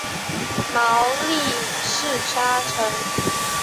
毛利氏家臣。